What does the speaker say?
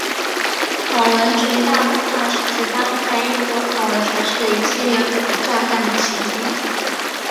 考文垂大轰炸是指发生在英国考文垂市的一系列炸弹袭击。